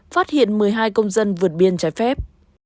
phát hiện một mươi hai công dân vượt biên trái phép